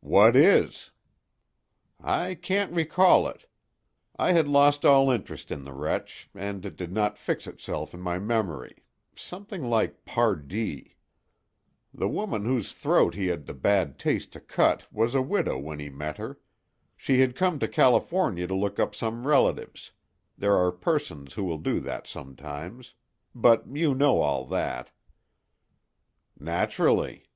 "What is?" "I can't recall it. I had lost all interest in the wretch, and it did not fix itself in my memory—something like Pardee. The woman whose throat he had the bad taste to cut was a widow when he met her. She had come to California to look up some relatives—there are persons who will do that sometimes. But you know all that." "Naturally."